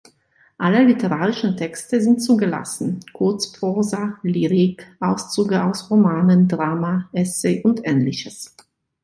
Alle literarischen Texte sind zugelassen: Kurzprosa, Lyrik, Auszüge aus Romanen, Drama, Essay und Ähnliches.